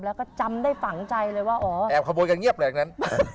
แล้วยังจำได้ฝังใจเลยว่าโอแอบขโมยกันเงี้ยบแหลกนั้น